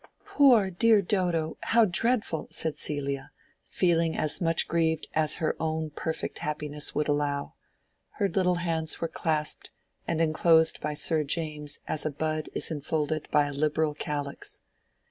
"Poor dear Dodo—how dreadful!" said Celia, feeling as much grieved as her own perfect happiness would allow. Her little hands were clasped, and enclosed by Sir James's as a bud is enfolded by a liberal calyx.